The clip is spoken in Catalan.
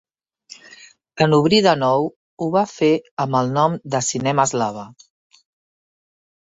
En obrir de nou ho va fer amb el nom de Cinema Eslava.